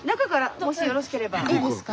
いいですか。